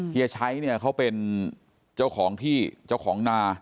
เฮียชัยเนี่ยเขาเป็นเจ้าของที่เจ้าของนา